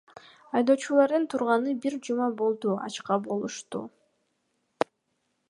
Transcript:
Айдоочулардын турганына бир жума болду, ачка болушту.